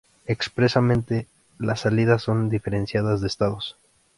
Expresamente, las salidas son diferenciadas de estados.